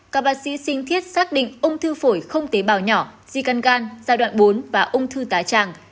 các bác sĩ sinh thiết xác định ung thư phổi không tế bào nhỏ di căn gan giai đoạn bốn và ung thư tái tràng